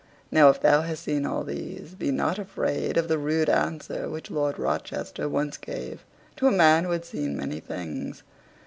Now if thou hast seen all these, be not afraid of the rude answer which Lord Rochester once gave to a man who had seen many things.